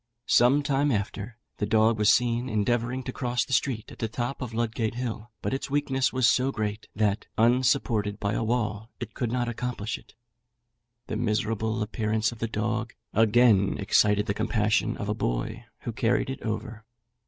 Some time after, the dog was seen endeavouring to cross the street at the top of Ludgate Hill; but its weakness was so great, that, unsupported by a wall, it could not accomplish it. The miserable appearance of the dog again excited the compassion of a boy, who carried it over.